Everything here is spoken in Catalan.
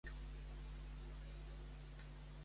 Li dona igual a Jack?